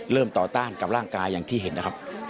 เริ่มต่อต้านกากร่างกายที่เห็นนะครับ